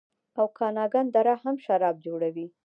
اوکاناګن دره هم شراب جوړوي.